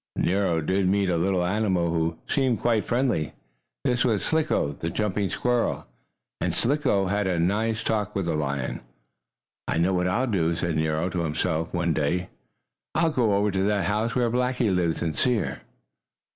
Nero did meet a little animal who seemed quite friendly. This was Slicko, the jumping squirrel, and Slicko had a nice talk with the lion. "I know what I'll do," said Nero to himself one day. "I'll go over to that house where Blackie lives and see her."